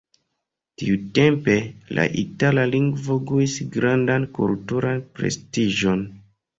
Tiutempe, la itala lingvo ĝuis grandan kulturan prestiĝon.